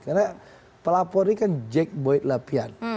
karena pelapor ini kan jack boyd lapian